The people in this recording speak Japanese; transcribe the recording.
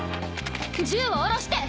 銃を下ろして！